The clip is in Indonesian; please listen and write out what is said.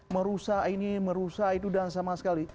merusak ini merusak itu dan sama sekali